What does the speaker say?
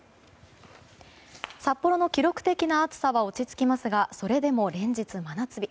札幌の記録的な暑さは落ち着きますがそれでも連日真夏日。